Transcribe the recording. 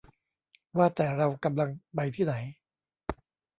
ว่าแต่เรากำลังไปทีไ่หน